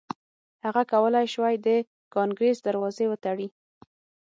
هغه کولای شوای د کانګریس دروازې وتړي.